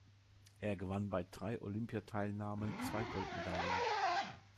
Er gewann bei drei Olympiateilnahmen zwei Goldmedaillen.